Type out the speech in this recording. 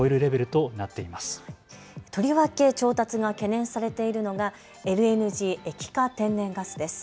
とりわけ調達が懸念されているのがＬＮＧ・液化天然ガスです。